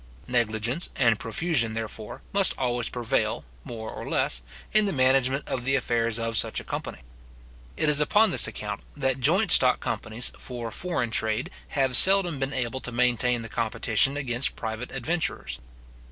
Negligence and profusion, therefore, must always prevail, more or less, in the management of the affairs of such a company. It is upon this account, that joint stock companies for foreign trade have seldom been able to maintain the competition against private adventurers.